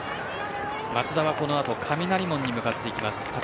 松田はこの後雷門に向かいます。